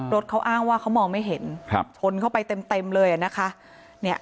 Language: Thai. รถเขาอ้างว่าเขามองไม่เห็นชนเข้าไปเต็มเลยนะคะ